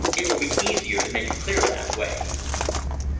It will be easier to make it clear that way."